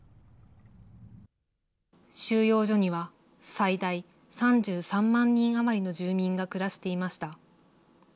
収容所には、最大３３万人余りの住民が暮らしていました。